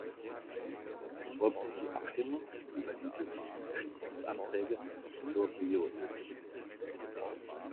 Es folgt nun die Abstimmung über diese sieben Entschließungsanträge zur Bioethik.